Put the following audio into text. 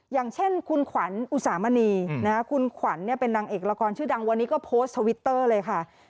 อย่างเช่นคุณขวัญอุสามณีคุณขวัญเป็นนางเอกละครชื่อดังวันนี้ก็โพสต์ทวิตเตอร์เลยค่ะ